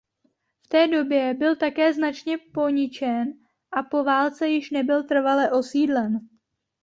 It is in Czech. V té době byl také značně poničen a po válce již nebyl trvale osídlen.